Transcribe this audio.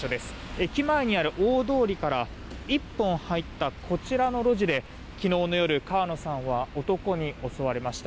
駅前にある大通りから１本入ったこちらの路地で昨日の夜、川野さんは男に襲われました。